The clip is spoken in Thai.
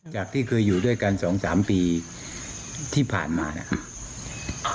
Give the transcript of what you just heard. จากที่เคยอยู่ด้วยกัน๒๓ปีที่ผ่านมานะครับ